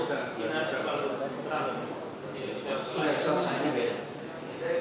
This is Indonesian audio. dan tentu rise oli lolong ini tentunya integrating